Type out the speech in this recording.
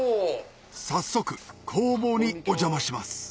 早速工房にお邪魔します